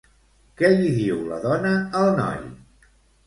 Què li diu la dona al noi?